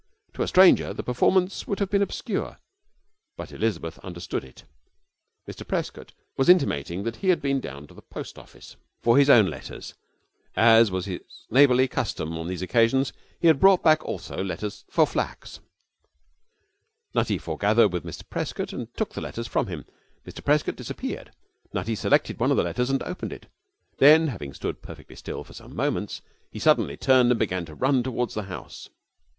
To a stranger the performance would have been obscure, but Elizabeth understood it. Mr Prescott was intimating that he had been down to the post office for his own letters and, as was his neighbourly custom on these occasions, had brought back also letters for Flack's. Nutty foregathered with Mr Prescott and took the letters from him. Mr Prescott disappeared. Nutty selected one of the letters and opened it. Then, having stood perfectly still for some moments, he suddenly turned and began to run towards the house.